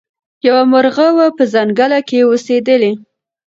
یو مرغه وو په ځنګله کي اوسېدلی